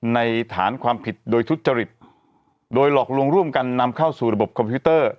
ในฐานความผิดโดยทุจริตโดยหลอกลวงร่วมกันนำเข้าสู่ระบบคอมพิวเตอร์